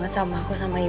kita kasih lah